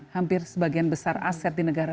hampir sebagian besar aset di negara